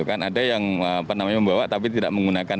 ada yang membawa tapi tidak menggunakan